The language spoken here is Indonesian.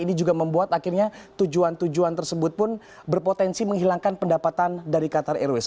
ini juga membuat akhirnya tujuan tujuan tersebut pun berpotensi menghilangkan pendapatan dari qatar airways